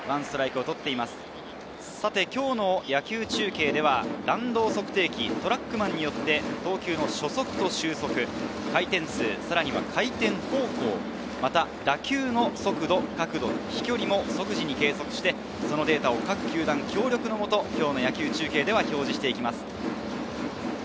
今日の野球中継では弾道測定器トラックマンによって、投球の初速と終速、回転数、回転方向、打球の速度、角度、飛距離も即時に計測して、そのデータを各球団協力のもと、今日の野球中継で表示していきます。